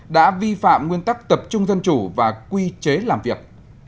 đã vi phạm nguyên tắc tập trung dân chủ và quy chế làm việc